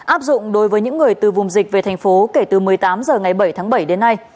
áp dụng đối với những người từ vùng dịch về thành phố kể từ một mươi tám h ngày bảy tháng bảy đến nay